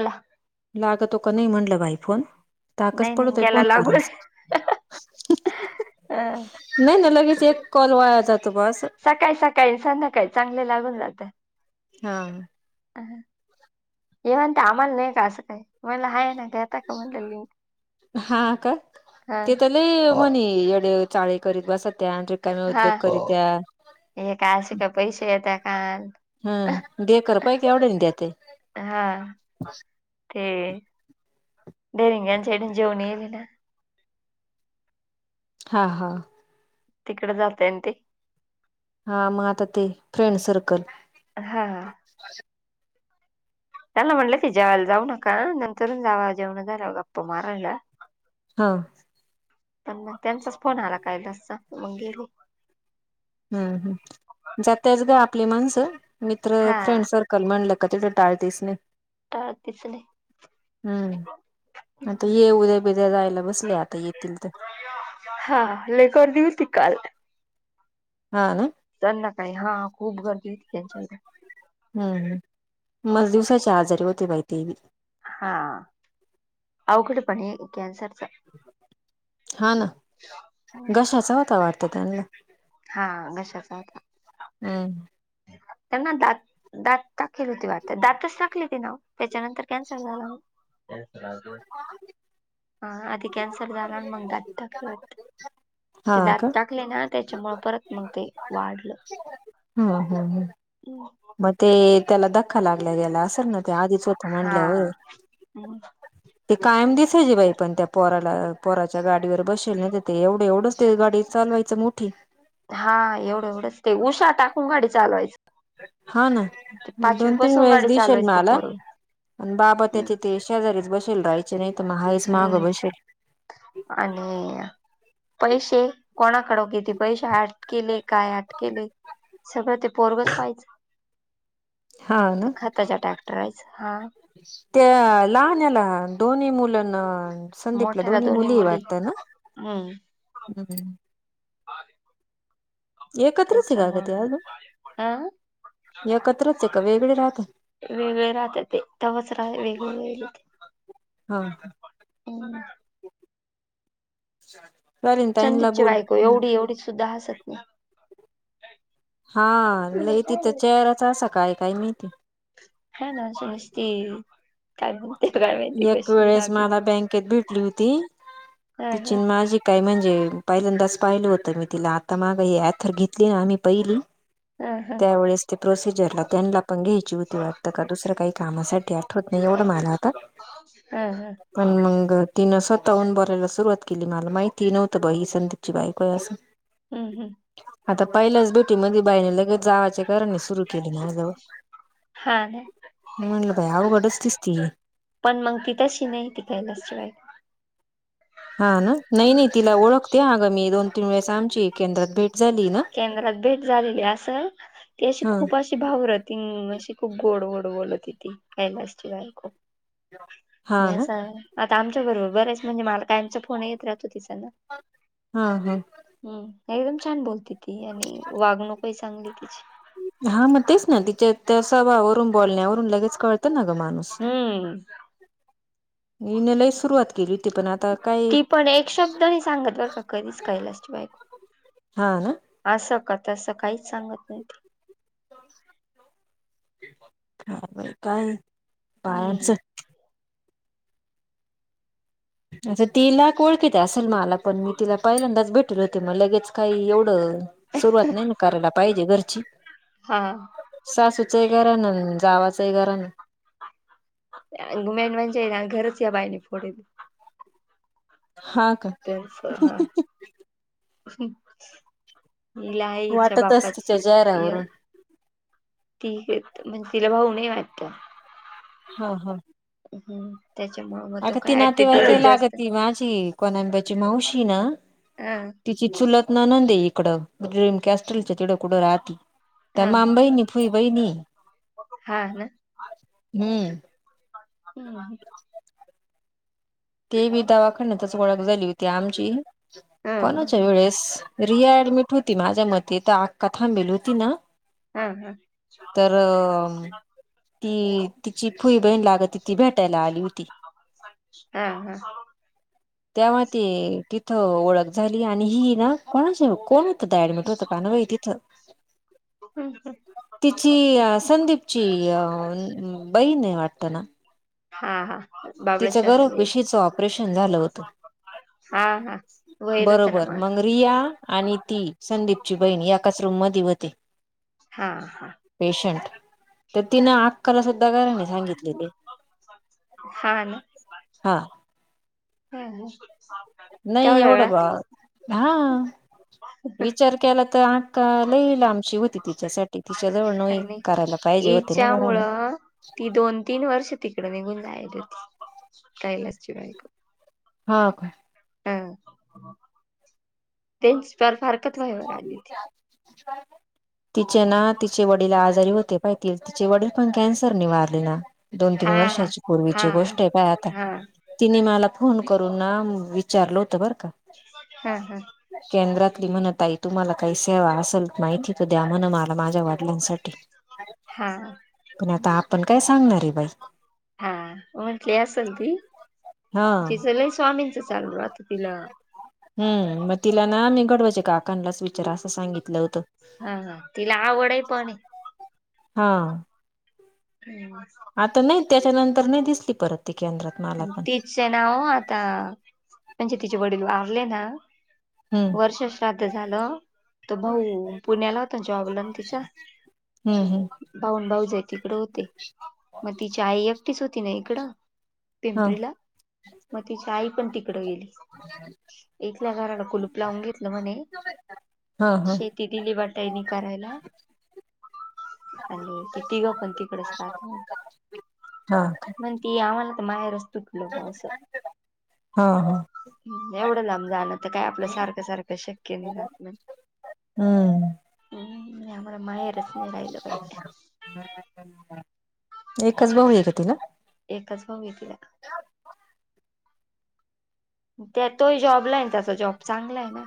अला [inaudible] लागतो का नाही म्हणलं बाई फोन. ताकस नाही नाही पडतोय गेला फोन लागून करण्यास. ह, नाही ना लगेच एक कॉल वाया ज तो बस. सकाळी सकाळी संध्याकाळी चांगले लागून जात. हा, अ येवण ते आम्हाला नाही का असं काही म्हला हय ना त्यात. हा का हा तेथे लय म्हणी येडेत. चाळी कतर बसत्या रीप. हा एक असेका पैसे यता कान. हम्म दे कर पाहि का एवढे नाही द्या ते. हा ते रिंग्यां इडून जेवण येल ना. हा हा, तिकडे जातय ते. हा म आता ते फ्रेंड सर्कल हा. त्याना म्हटलं ते जेवायला जाऊ नका नंतर जा वा जेवण झाल्यावर गप्पा मारायला. हा. पण मग त्यांचाच फोन आला काय लसचा मग गेलो. हम्म ह जात त्याच ग आपली माणसं मित्र हा फ्रेंड सर कल म्हटल का ते टाळतेस नई टाळतेच नाही. हम्म आता ये उद्या बिद्या जायला बसले आता येतील तर हा लय गर्दी होती काल हा ना? संध्याकाळी हा खूप गर्दी होती त्यांच्याकडे हम्म मस दिवसाची आजारीे होती बाई ती बी. हा आवघड आहे पण हे कॅन्सर. हा ना घशाचा होता वाटत त्यांना? हा घशाचा होता. हम्म. त्यांना दात दात टाकेल होती वाटत दातच टाकली तीन त्याच्यानंतर कॅन्सर झाला. हा आधी कॅन्सर झाला आणि मग दात टाकले हा ते दात का टाकले ना त्याच्यामुळ परत मग ते वाढलं. हम्म हम्म हम्म. [inaudible] म ते त्याला धक्का लागल्या गेला असेल ना ते आधीच होतं हा म्हंटल्यावर [inaudible] ते कायम दिसायचे बाई पण त्या पोराला पोराच्या गाडीवर बसेल नाही ते एवढं एवढंच ते गाडी चालवायच च मोठी हा एवढं एवढंच ते उशा टाकून गाडी चालवायच. हा ना ते पाचवी दोन - तीन पासून वेळेस गाडी दिशेल चालवायच ते मला पोर आणि बाबा त्याचे ते. शेजारीच बसेल रहायचे नाही त तर मग आहेच मागं हम्म बशेल. आणि पैशे कोणाक कड पैसे आठ केले काय आठ केले सगळं ते पोरगच पाहायच हा ना त्या खताच्या ट्रॅक्टरायच हा. त्या लहाण्याला दोन्ही मुलं न संदीपला मोठ्याला दोन्ही मुलीही मुली वाटत ना? हम्म एकत्रच आहे का ग त्याच्यामुळ ते म अजून हा.. एकत्रच आहे का वेगळे राहता? वेगळे राहत ते तवाच राह वेगळे वेगळे ते हा [inaudible] ताईंला संदीपची बोल बायको एवढी एवढी सुद्धा हसत नाही. हा तुला नाही तिचा काय चेहराच असा काय काय माहीत? हायना अस असती एक वेळेस रागी मला बँकेत भेटली होती हा तिची हा न माझी काय म्हणजे पहिल्यांदाच पाहिलं होतं मी तिला आता माग हे ॲथर घेतली ना आम्ही पहिली हा हा त्यावेेळेस ते प्रोसिजरला त्यांनला पण घ्यायची होती वाटतं का दुसर काही कामासाठी आठवत नाही एवढं मला आता. हा, हा, पण, मंग तिनं स्वताहून बोलायला सुरुवात केली, मला माहिती नव्हत बाई, ही संदीपची बाईको आहे असं. हम्म, हम्म, आता, पहिल्याच भेटी मधी बाईने, लगेच जावाच्या करणी सुरु केले माझा वर, हा ना म्हटलं बाई आवघडच दिसती ही, पण, मग ति तशी नाही, ती कैलासची बायको, हा, ना नाही, नाही, हा तिला ओळखते अगं मी दोन, तीन वेळेस, आमची केंद्रात भेट झाली ना. केंद्रात भेट झालेली असल, ती अशी हा खूप अशी अशी भावरत हम, अशी खूप गोड, गोड बोलतती, कैलासची बायको. ने हा ना असं, आता आमच्या बरोबर, बरेच म्हणजे मला काय आमचा फोन येत राहतो, [unintelligible] हा, हा, हम्म, एकदम छान बोलती ती, आणि वागणूकही चांगली आहे तिची. हा, मग तेच ना, तिच्या त्या स्वभावरून, बोलण्यावरून, लगेच कळतं ना ग माणूस. हम्म, [inaudible] हिन, लई सुरुवात केली होती, पण आता काय ती पण एक शब्द नाही सांगत बरं का कधीच कैलासची बायको. हा, ना, असं, का, तसं काहीच सांगत नाही ती. बापरे, काय हम्म. बायांच, आता, ती लाख ओळखीत असेल मला, पण मी तिला पहिल्यांदाच भेटेल होते, मग लगेच काय एवढं सुरुवात नाही ना, करायला पाहिजे घरची. आ सासूचएक गऱ्हाण, अन, जावाचही गऱ्हाण, [unintelligible] मेन म्हणजे, हे ना घरच या बाईने फोडिल, हा, का त्यांच, हा. हिला, हिच्या वाटतच बापाची तिच्या य चेहऱ्यावरून ती, एक हे म्हणजे, तिला भाऊ नाही वाटत. हा, हा, हम्म, त्याच्यामुळ, म, अग, ती नातेवाईके लागती, माझी कोणंदाची मावशी ना, आ, तिची चुलत, ननंद हे इकडं, ड्रिम क्रॅस्टलच्या तिड कुठं राहती, त्या हा माम बहिणी फुई बहिणी हा, ना, हम्म, हम्म, हम्म, ते बी, दवाखान्यातच ओळख झाली होती आमची, हम्म कोणाच्या वेळेस! रिया ॲडमिट होती, माझ्या मते तर आक्का थांबेल होती, ना? हा, हा, तर, ती तिची फुई बहीण, लागती ती भेट हा, हा, तेव्हा ते तिथं ओळख झाली, आणि ही ना, कोणाची व कोण होत ते ॲडमिट होतं? काय नाव, आहे तीच? हम्म हु तिची अ संदिपची अ बहीण ये वाटत ना? हा हा तिचं बाबळेश्वरला जाईल गर्भपिशवीच ऑपरेशन झालं होतं. हा का बरोबर मंग रिया आणि ती संदिपची बहीण एकाच रूम मधी व्हते. हा हा पेशंट तर तिन आक्काला सु त गऱ्हाणे सांगितलेले हा हा हूं हं [unintelligible] नही एवढं बा हा विचार केला तर आट का लई लांबची होती तिच्यासाठी तिच्या जवळ नोही आणि करायला पाहिजे होते ना गऱ्हाणे. हिच्यामुळं ती दोन तीन वर्ष तिकडं निघून जाईली होती कैलासची बायको. हा काय ह तेच फार फारकत व्हायवर आली ती [unintelligible] तिचे ना तिचे वडील आजारी होते पाह्य ती तिचे वडील पण कॅन्सरने वारले ना दोन तीन हां, वर्षाची पूर्वीची हां. हां, गोष्ट आय पाह्य आता हां. तिनी मला फोन करून ना विचारलं होतं बरं का हा हा केंद्रातली म्हणत ताई तुम्हाला काय सेवा असल माहिती त द्या म्हण माला माझ्या वडिलांसाठी हा पण आता आपण काय सांगणार ये बाई हा म्हटंली असल ती हा तिच लय स्वामींच चालू राहत तिला हम्म म तिला ना मी गडवळचे काकांलाच विचारा असं सांगितलं होतं. हा हा तिला आवड ये पण ये हा हम्म आता नाही त्याच्यानंतर नही दिसली परत ती केंद्रात मला पण तिचे ना ओ आता म्हणजे तिचे वडील वारले ना हम्म वर्ष श्राद्ध झालं. तो भाऊ पुण्याला होता ना जॉब ला तिचा हम्म हम्म भाऊ नं भाऊजय तिकड होते म तिची आई एकटीच होती न इकडं हा पिंपरीला म तिची आई पण तिकडं गेली. इथंल्या घराला कुलूप लावून घेतलं म्हणे हा हा शे ती दिली वाटाईनी करायला आणि ते तिघ पण तिकडच राहतं म्हणी हा म्हण ती आम्हाला त माहेरच तुटलं ब असं हा हा हूं एवढं लांब जाणं त काय आपल सारख सारख शक्य नाही राहात नं हूं हम्म [unintelligible] आम्हाला माहेरच नाय रायलं पायजे. एकच भाऊ ये का तिला एकच भाऊ ये तिला म त्यात तोही जॉबला ये न त्याचा जॉब चांगला ये ना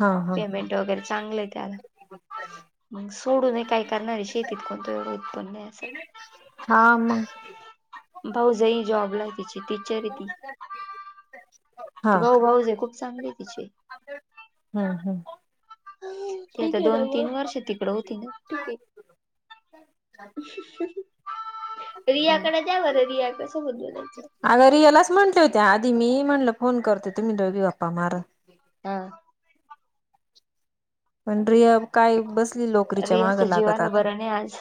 हा हा पेमेंट वगैरे चांगलं आहे त्याला. मग सोडून हे काय करणार आहे शेतीत कोणत एढं उत्पन्न आहे असं. हा मग. भाऊ जाई जॉबला तिची ती चॅरीटी, हा ते का भाऊ-भाऊजे खूप चांगले आहे तिचे. हम् हम्. तिथ दोन-तीन वर्ष तिकड होती ना, ठीके. रियाकडे जाऊ रिया सोबत बोलायचं. अग रियालाच म्हटले होते्या आधी मी म्हणलं फोन करतो तुम्ही दोघी गप्पा मारू. आ पण रिया काय बस रियाच्या जीवाला बरं नाही आज,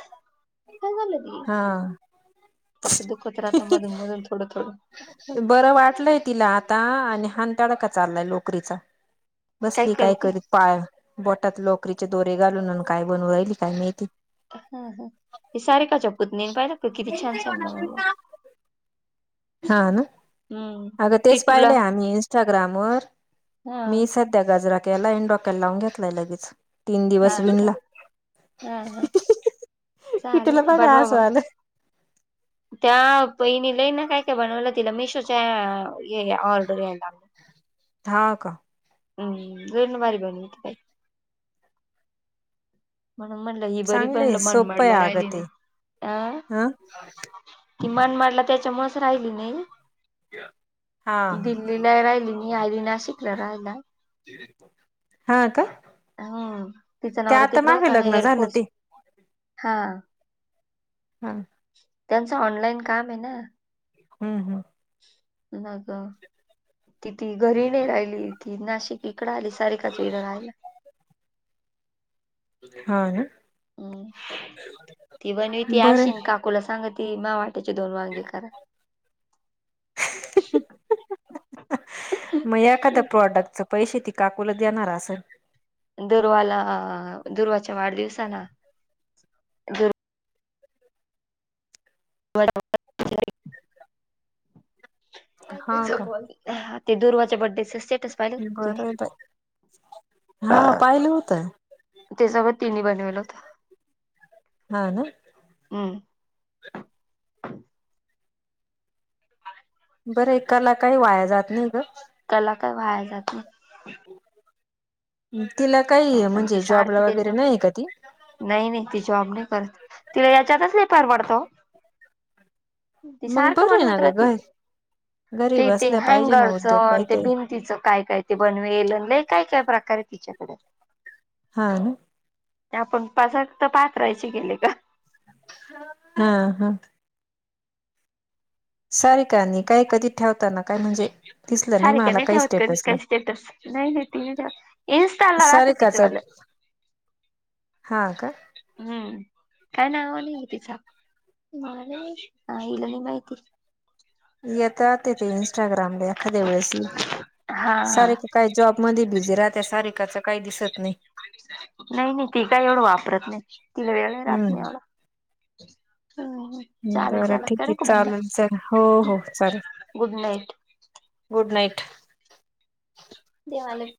काय झालं तीला? हा असं दुखत राहत मधून-मधून थोडं-थोडं. बरं वाटलंय तिला आता आणि हांताडा का चाललाय लोकरीचा. बसली काय करी पा बोटात लॉकरीचे दोरे घालून काय बनवली काय माहीती. हा हा, हे सारे काच्या कुत नाही पाहाना किती छान-छान बन हा ना, आता तेच टिटूला पाहिले आम्ही इंस्टाग्रामवर हा मी सध्या त्या गजरा केला आणि डोक्याला लावून घेतलाय लगेच. तीन दिवस हा का विणला, हा हा कि तिला चालेल बघा बनवा हसु मग यालय. त्या बहिणी लईन ना काय-काय बनवलं तिला मिशोच्या ये ऑर्डर यायला, हा का हम् लयच भारी बनवते. म्हणून म्हणलं ही बरी पण चांगलंय मन सोपं आहे मारला अगं राहिली ते नाही, आ हं ति मन मारला त्याच्यामुळेच राहिली मी. हा दिल्लीला राहिली मी आली नाशिकला राहायला. [inaudible] का हम्म तिचा ते नवरा आता तिकड मागे होताना लग्न झालं एअरफोर्स. ते [inaudible] हा. [inaudible] हा. त्यांचं ऑनलाइन काम आहे ना. हम्म हम्. मग तिथी घरी नाही राहिली ती नाशिक इकडं आली सारीकाच्या हित रहायला. हा ना, हम्म बर. तूला सांग ती मा वाटनीची दोन वांगी कराय. मग एखादं प्रॉडक्टच पैसे ती काकूला देणार असंल. दुर्वाला, दुर्वाच्या वाढदिवसाला. [unintelligible] हा त्याच का बोल. ते दुर्वाचे बड्डेच स्टेटस पाहिल तुम्ही? बरं बाई हा [unintelligible] पाहिलं होतं त्यासोबत तिनी बनवलं होतं. हा ना. हम्म. बरं एकाला काही वाया जात नाही ग. एकाला काय वाया जात नाही. तिला नाही काही आता ती म्हणजे जॉबला सारखी तेच वगैरे बन- नाही आहे का ती. नाही नाही ती जॉब नाही करत तिला याच्यातच नाही परवडतो. ती मग सारखं बरं आहे ना बनवत ग राहती. घर घरी ते ते बसल्या पाहिजे ना हँगरचं उद्योग आन ते काहीतरी बिंदीचा काय काय. ते बनवेल लई काय काय प्रकार हाय तिच्याकडे. हा ना. ते आपण पासाक तर पातराहायचे गेले का. हा हा. सारिकांनी आणि काय कधी ठेवताना काय म्हणजे दिसलं नाही सारिका मला काही ठेवत कधीच स्टेटसला. काय स्टेटस नाही नाही ती नाही ठेवत इन्स्टाला राहत तिचं सारिकाचा वालं. हा का. हम्म काय नावा नाहीय तिचा. ती म्हणाली आईला नी माहिती. येतात ते इंस्टाग्रामले एखाद्या वेळेस येईल हा सारिका काय जॉब मधी बिझी राहते सारिकाच काही दिसत नाही. नाही नाही ती काय एवढं वापरत नाही तिला वेळ नाही राहत नाही एवढा. हम्म हा हा. बरं ठीक आहे, चालेल चल हो हो चालेल. Good night good night. देवाले